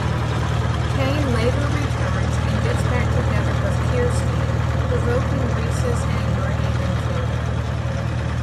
Kane later returns and gets back together with Kirsty provoking Rhys' anger even further.